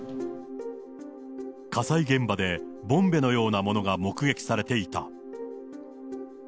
火災現場でボンベのようなものが目撃されていた。